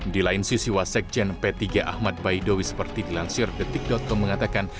di lain sisi wasekjen p tiga ahmad baidowi seperti dilansir detik com mengatakan